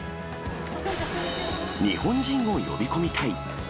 日本人を呼び込みたい。